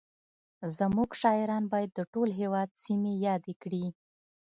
زموږ شاعران باید د ټول هېواد سیمې یادې کړي